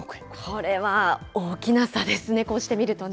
これは、大きな差ですね、こうして見るとね。